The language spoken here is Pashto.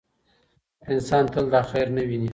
انسان تل دا خیر نه ویني.